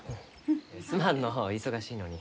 すまんのう忙しいのに。